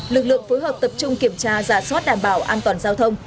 lực lượng phối hợp tập trung kiểm tra giả soát đảm bảo an toàn giao thông